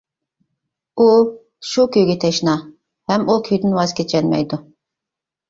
ئۇ شۇ كۈيگە تەشنا ھەم ئۇ كۈيدىن ۋاز كېچەلمەيدۇ.